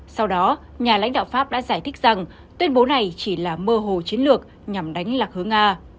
sau đó nhà lãnh đạo pháp đã giải thích rằng tuyên bố này chỉ là mơ hồ chiến lược nhằm đánh lạc hướng nga